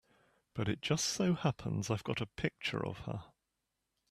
But it just so happens I've got a picture of her.